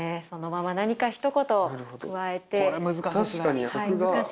そのまま何か一言加えて。